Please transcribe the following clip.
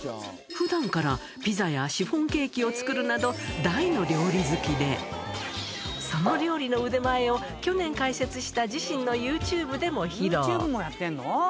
ふだんからピザやシフォンケーキを作るなど、大の料理好きで、その料理の腕前を、去年開設した自身のユーチューブでも披露。